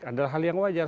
adalah hal yang wajar